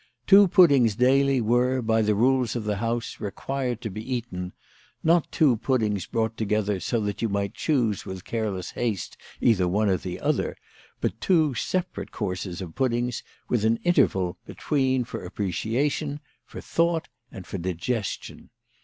Two puddings daily were, by the rules of the house, required to be eaten ; not two puddings brought together so that you might choose with careless haste either one or the other ; but two separate courses of puddings, with an interval between for appreciation, for thought, and for digestion.